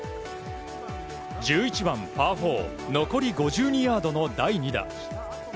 １１番、パー４残り５２ヤードの第２打。